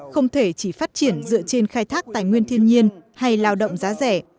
không thể chỉ phát triển dựa trên khai thác tài nguyên thiên nhiên hay lao động giá rẻ